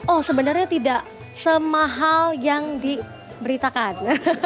oh sebenarnya tidak semahal yang diberitakan